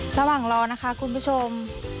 ระหว่างรอนะคะคุณผู้ชม